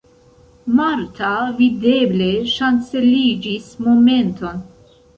Marta videble ŝanceliĝis momenton.